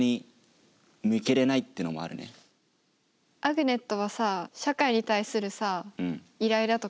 アグネットはさ社会に対するさイライラとかないわけ。